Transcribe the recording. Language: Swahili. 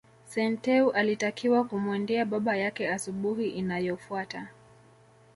Senteu alitakiwa kumwendea baba yake asubuhi inayofuata